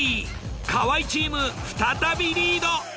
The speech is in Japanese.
河合チーム再びリード。